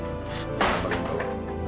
apa yang kamu mau